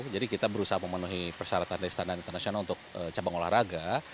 jadi kita berusaha memenuhi persetujuan dari standar internasional untuk cabang olahraga